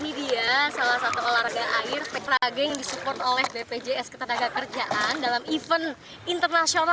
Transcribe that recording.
ini adalah olahraga yang disupport oleh bpjs ketanaga kerjaan dalam event internasional